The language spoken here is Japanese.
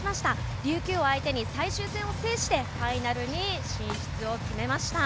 琉球を相手に最終戦を制してファイナルに進出を決めました。